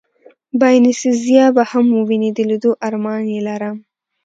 باینیسیزا به هم ووینې، د لېدو ارمان یې لرم.